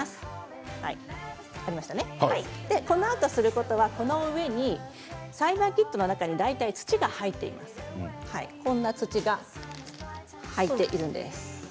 このあとすることはこの上に栽培キットの中に大体土が入っています。